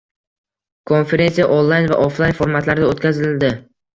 Konferensiya onlayn va oflayn formatlarda oʻtkazildi